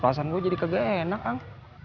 perasaan gue jadi kagak enak kang